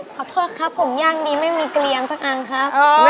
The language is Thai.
ขอโทษครับผมย่างดีไม่มีเกลียงสักอันครับ